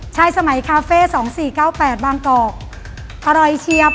สมัยคาเฟ่๒๔๙๘บางกอกอร่อยเชียบ